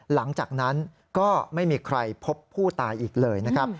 หลังจากนั้นก็ไม่มีใครพบผู้ตายอีกเลยนะครับ